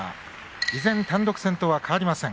依然単独先頭は変わりません。